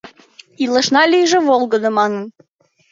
Илышна лийже волгыдо манын